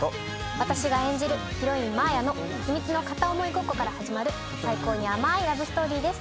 私が演じるヒロイン真綾の秘密の片想いごっこから始まる最高に甘いラブストーリーです。